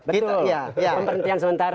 betul kepentingan sementara